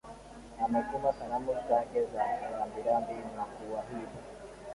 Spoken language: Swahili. ametuma salamu zake za rambirambi na kuahidi